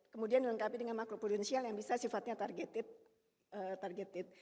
kemudian dilengkapi dengan maklu prudensial yang bisa sifatnya targeted